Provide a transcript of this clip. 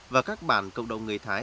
và các bản cộng đồng người thái